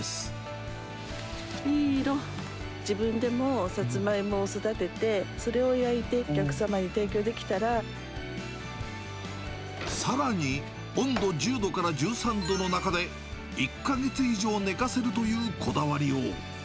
自分でもサツマイモを育てて、それを焼いて、お客様に提供できさらに、温度１０度から１３度の中で、１か月以上寝かせるというこだわりよう。